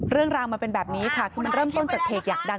เรื่องราวมันเป็นแบบนี้ค่ะคือมันเริ่มต้นจากเพจอยากดัง